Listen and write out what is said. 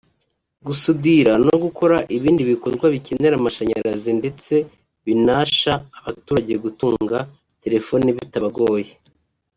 gusudira no gukora ibindi bikorwa bikenera amashanyarazi ndetse binasha abaturage gutunga telefoni bitabagoye